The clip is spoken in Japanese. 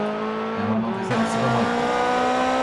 山手線、巣鴨駅